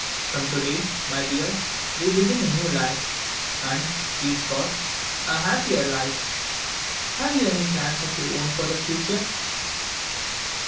From to day, my dear, we begin a new life, and (please God) a happier life. Have you any plans of your own for the future?"